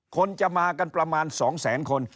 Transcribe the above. คนจะมาประมาณสองแสนคน